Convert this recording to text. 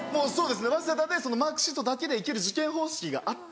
早稲田でマークシートだけで行ける受験方式があって。